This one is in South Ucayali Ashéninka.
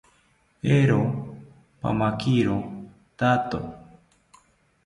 Eero, pamakiro thato